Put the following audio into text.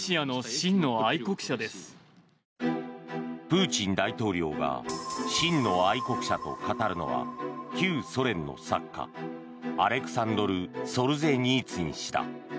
プーチン大統領が真の愛国者と語るのは旧ソ連の作家、アレクサンドル・ソルジェニーツィン氏だ。